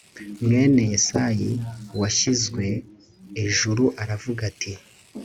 mwene yesayi washyizwe ejuru aravuga ati